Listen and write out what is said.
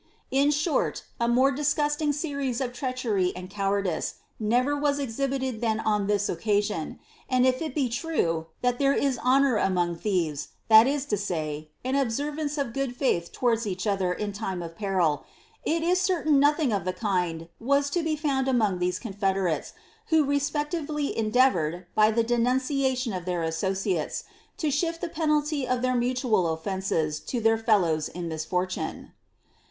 ' Jn short, a more disgusting series of treachery and cowardice never was exhibited than on this occasion ; and if it be true, that there is honour amonf thieve*^ that is to say, an observance of good faith towards each other in tine of peril — it m certain nothing of the kind was to be found among Umn confederates, who respectively endeavoured, by the denunciation of their associates, to shift the penalty of their mutual oflences to their fellows in misfortune.